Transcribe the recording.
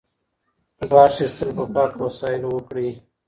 غاښ ایستل په پاکو وسایلو وکړئ.